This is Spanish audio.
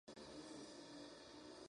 Sin embargo, no ejerció la carrera.